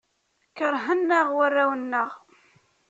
Keṛhen-aɣ warraw-nneɣ.